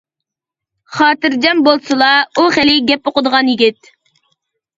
— خاتىرجەم بولسىلا، ئۇ خېلى گەپ ئۇقىدىغان يىگىت.